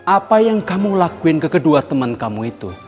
apa yang kamu lakuin ke kedua teman kamu itu